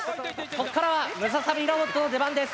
ここからはムササビロボットの出番です。